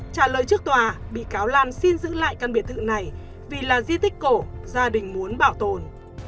trả lời trước tòa bị cáo lan xin giữ lại căn biệt thự này vì là di tích cổ gia đình muốn bảo tồn